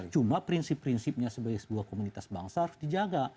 cuma prinsip prinsipnya sebagai sebuah komunitas bangsa harus dijaga